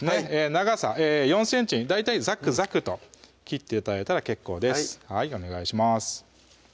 長さ４ｃｍに大体ザクザクと切って頂いたら結構ですお願いします